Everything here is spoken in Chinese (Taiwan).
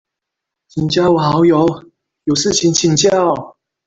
請加我好友，有事情請教